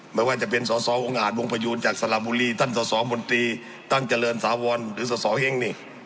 ไม่ว่าจะเป็นสอสอวงอาจวงพยูนจากสระบุรีท่านสสมนตรีตั้งเจริญถาวรหรือสสเฮ้งนี่